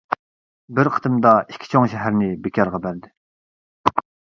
بىر قېتىمدا ئىككى چوڭ شەھەرنى بىكارغا بەردى.